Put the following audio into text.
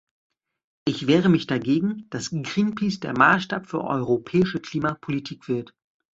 Ich wehre mich dagegen, dass Greenpeace der Maßstab für europäische Klimapolitik wird.